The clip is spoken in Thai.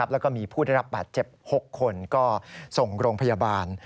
แล้วก็มีผู้ได้รับบาดเจ็บ๖คนก็ส่งโรงพยาบาล